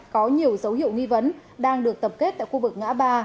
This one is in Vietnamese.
có nhiều dấu hiệu nghi vấn đang được tập kết tại khu vực ngã ba